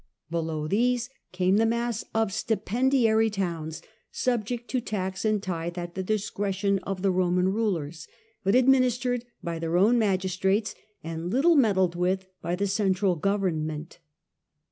Below these came the mass of stipendiary towns, subject to tax and tithe at the discretion of the Roman rulers, but administered by their own magistrates and little meddled with by the central government.